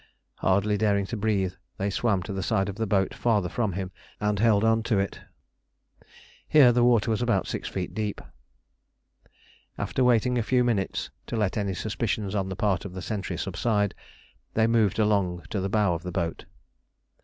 Hardly daring to breathe, they swam to the side of the boat farther from him and held on to it. Here the water was about six feet deep. After waiting a few minutes to let any suspicions on the part of the sentry subside, they moved along to the bow of the boat.